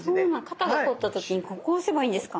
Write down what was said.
肩が凝った時にここを押せばいいんですか？